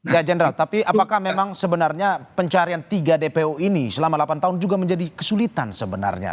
ya general tapi apakah memang sebenarnya pencarian tiga dpo ini selama delapan tahun juga menjadi kesulitan sebenarnya